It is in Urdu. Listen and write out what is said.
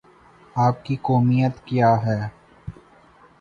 آپ کی قومیت کیا ہے؟